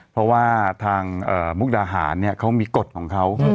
เพราะว่าทางมุกดาหารเขามีกฎของเขา